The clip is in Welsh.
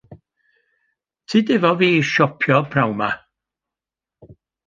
Tyd efo fi i siopio p'nawn 'ma.